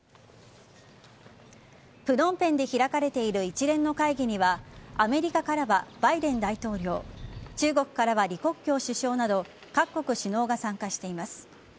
プノンペンで開かれている一連の会議にはアメリカからはバイデン大統領中国からは李克強首相など各国首脳が参加しています。